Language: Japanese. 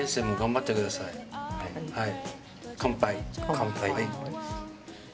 乾杯。